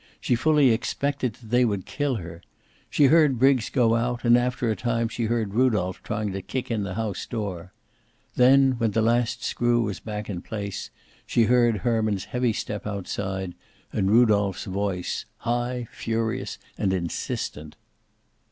She fully expected that they would kill her. She heard Briggs go out, and after a time she heard Rudolph trying to kick in the house door. Then, when the last screw was back in place, she heard Herman's heavy step outside, and Rudolph's voice, high, furious, and insistent.